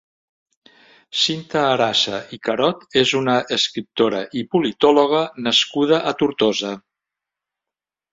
Cinta Arasa i Carot és una escriptora i politòloga nascuda a Tortosa.